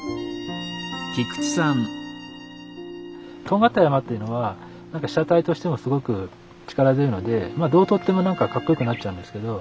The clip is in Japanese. とんがった山っていうのは被写体としてもすごく力強いのでまあどう撮っても何かかっこよくなっちゃうんですけど。